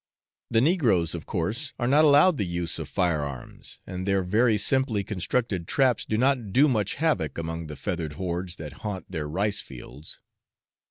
The negroes (of course) are not allowed the use of firearms, and their very simply constructed traps do not do much havoc among the feathered hordes that haunt their rice fields.